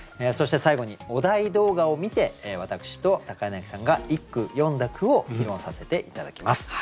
そして最後にお題動画を観て私と柳さんが一句詠んだ句を披露させて頂きます。